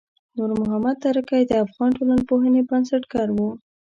نورمحمد ترکی د افغان ټولنپوهنې بنسټګر و.